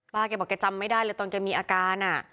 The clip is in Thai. แกบอกแกจำไม่ได้เลยตอนแกมีอาการ